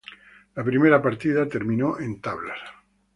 La primera partida terminó en tablas.